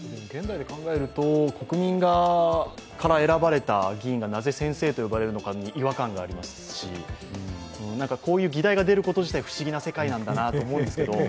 現代で考えると、国民から選ばれた議員がなぜ先生と呼ばれるのかに違和感がありますし、こういう議題が出ること自体不思議な世界なんだなと思いますけど。